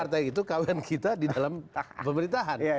partai itu kawan kita di dalam pemerintahan